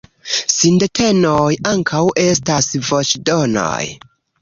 Sindetenoj ankaŭ estas voĉdonoj.